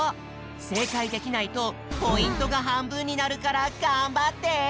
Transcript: せいかいできないとポイントがはんぶんになるからがんばって！